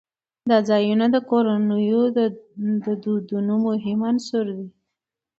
دا ځایونه د کورنیو د دودونو مهم عنصر دی.